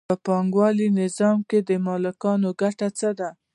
په پانګوالي نظام کې د مالکانو ګټه څه ده